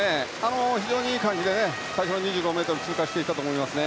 非常にいい感じで最初の２５ｍを通過したと思います。